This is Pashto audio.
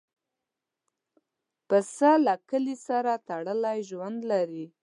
پسه له کلي سره تړلی ژوند لري.